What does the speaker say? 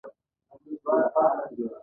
هغې وویل: نه، نه یم، زما چاپلوسۍ خوښې نه دي.